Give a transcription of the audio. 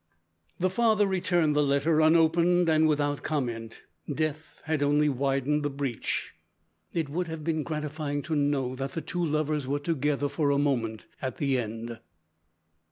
The father returned the letter unopened and without comment. Death had only widened the breach. It would have been gratifying to know that the two lovers were together for a moment at the end.